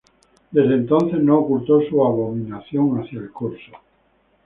Desde entonces no ocultó su abominación hacia el corso.